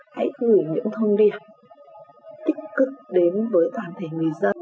hãy gửi những thông điệp tích cực đến với toàn thể người dân